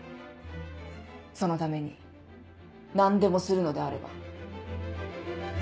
そのために何でもするのであれば。